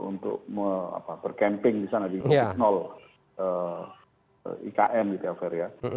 untuk bercamping di sana di ikn gitu ya